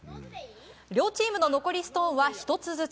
両チームの残りストーンは１つずつ。